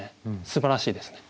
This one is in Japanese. すばらしいですね。